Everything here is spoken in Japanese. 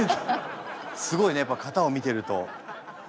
すごいねやっぱ型を見てると。